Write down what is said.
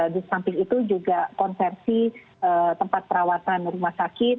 di samping itu juga konversi tempat perawatan rumah sakit